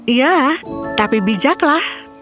iya tapi bijaklah